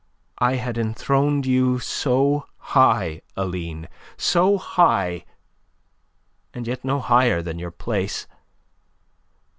I had enthroned you so high, Aline, so high, and yet no higher than your place.